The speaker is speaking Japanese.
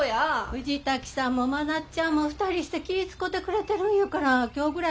藤滝さんも真夏ちゃんも２人して気ぃ遣うてくれてるんやから今日ぐらいは行きますよ。